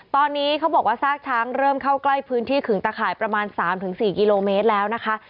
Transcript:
ตอนนี้เขาบอกว่าซากช้างเริ่มเข้าใกล้พื้นที่ขึงตะข่ายประมาณ๓๔กิโลเมตรแล้วนะคะ